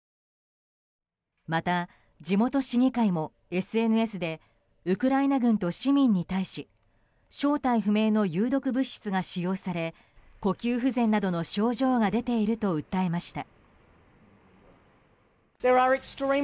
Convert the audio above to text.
また、地元市議会もＳＮＳでウクライナ軍と市民に対し正体不明の有毒物質が使用され呼吸不全などの症状が出ていると訴えました。